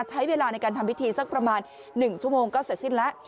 ใช้เวลาในการทำพิธีสักประมาณ๑ชั่วโมงก็เสร็จสิ้นแล้ว